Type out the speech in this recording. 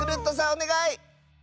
おねがい！